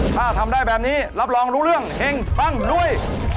ถ้าทำได้แบบนี้รับรองรู้เรื่องเฮงปังด้วย